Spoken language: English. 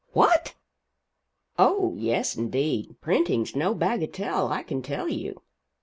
"What!" "Oh, yes indeed. Printing's no bagatelle, I can tell you.